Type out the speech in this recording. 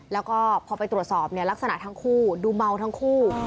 แล้วก็พอไปตรวจสอบเนี่ยลักษณะทั้งคู่ดูเมาทั้งคู่